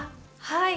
はい。